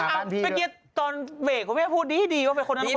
เออไปเกียจตอนเวกว่าพูดดีว่าเป็นคนนั้นคนนี้